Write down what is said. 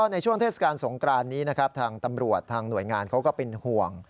ในช่วงเทศกาลสงกรานนี้นะครับทางตำรวจทางหน่วยงานเขาก็เป็นห่วง